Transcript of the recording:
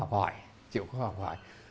người bạn mà chịu khó học hỏi